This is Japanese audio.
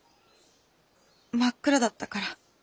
真っ暗だったから。